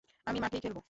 আমি মাঠেই খেলবো।